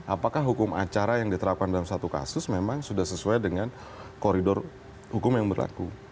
apakah hukum acara yang diterapkan dalam satu kasus memang sudah sesuai dengan koridor hukum yang berlaku